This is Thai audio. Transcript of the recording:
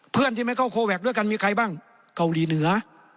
เพื่อนที่ไม่เข้าโคแวคด้วยกันมีใครบ้างเกาหลีเหนือ